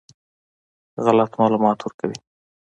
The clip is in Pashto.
غلط معلومات ورکوي.